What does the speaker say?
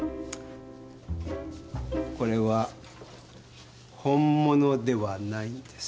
これは本物ではないんです。